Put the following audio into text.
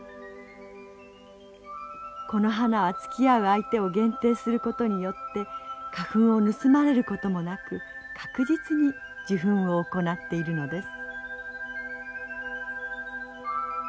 この花はつきあう相手を限定することによって花粉を盗まれることもなく確実に受粉を行っているのです。